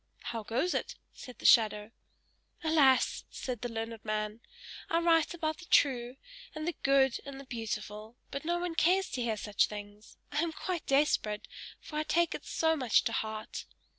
"How goes it?" said the shadow. "Alas!" said the learned man. "I write about the true, and the good, and the beautiful, but no one cares to hear such things; I am quite desperate, for I take it so much to heart!"